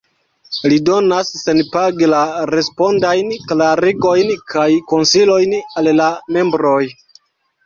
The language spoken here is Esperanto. Li donas senpage la respondajn klarigojn kaj konsilojn al la membroj.